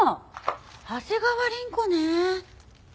長谷川凛子ね。